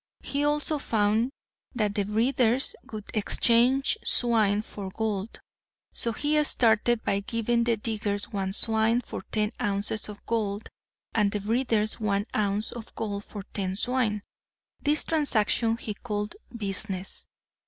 He also found that the breeders would exchange swine for gold. So he started by giving the diggers one swine for ten ounces of gold and the breeders one ounce of gold for ten swine. This transaction he called business.